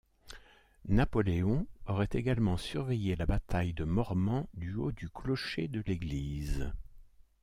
Napoléon aurait également surveillé la bataille de Mormant du haut du clocher de l'église.